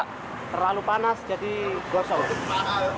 terlalu panas jadi gosong